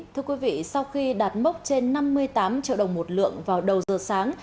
thưa quý vị sau khi đạt mốc trên năm mươi tám triệu đồng một lượng vào đầu giờ sáng